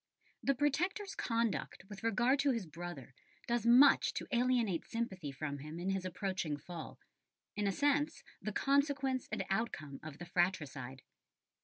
The Protector's conduct with regard to his brother does much to alienate sympathy from him in his approaching fall, in a sense the consequence and outcome of the fratricide.